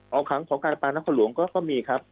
เอาขังของการประปานักษรหลวงก็มีครับ